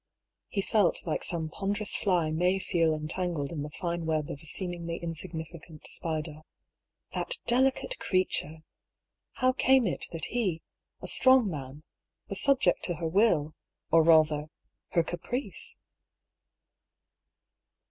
" He felt like some ponderous fly may feel entangled in the fine web of a seemingly insignificant spider. That delicate creature! How came it that he, a strong man, was subject to her will, or rather, her caprice